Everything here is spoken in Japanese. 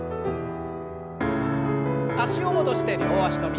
脚を戻して両脚跳び。